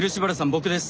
僕です